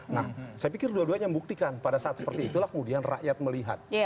nah saya pikir dua duanya membuktikan pada saat seperti itulah kemudian rakyat melihat